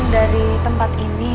dari tempat ini